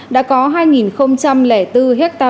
đã có hai bốn ha lúa